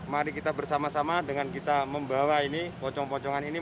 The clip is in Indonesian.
mari kita bersama sama dengan kita membawa ini pocong pocongan ini